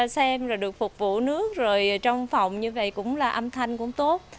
xem là được phục vụ nước rồi trong phòng như vậy cũng là âm thanh cũng tốt